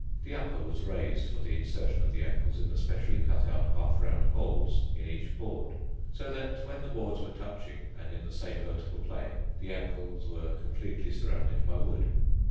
The upper was raised for the insertion of the ankles in the specially cut out half round holes in each board, so that when the boards were touching and in the same vertical plane, the ankles were completely surrounded by wood.